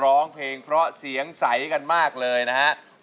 ร้องเพลงเพราะเสียงใสกันมากเลยนะครับ